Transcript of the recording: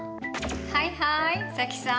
はいはい早紀さん。